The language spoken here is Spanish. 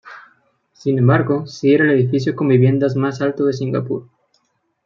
Sin embargo, sí era el edificio con viviendas más alto de Singapur.